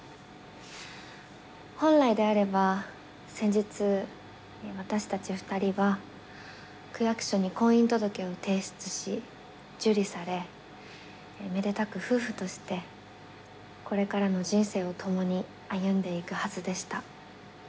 本来であれば先日私たち２人は区役所に婚姻届を提出し受理されめでたく夫婦としてこれからの人生を共に歩んでいくはずでした。